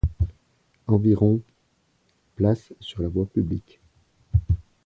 Environ places sur la voie publique.